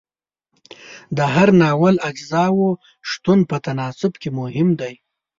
د هر ناول اجزاو شتون په تناسب کې مهم دی.